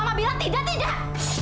mama bilang tidak tidak